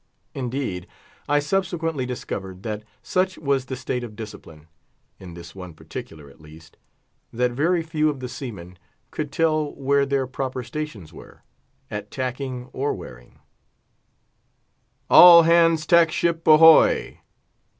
Indeed, I subsequently discovered, that such was the state of discipline—in this one particular, at least—that very few of the seamen could tell where their proper stations were, at tacking or wearing. "All hands tack ship, ahoy!"